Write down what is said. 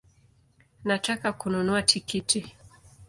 Nataka kununua tikiti